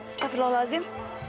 setafil allah azim